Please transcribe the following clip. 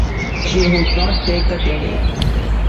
She would not take a denial.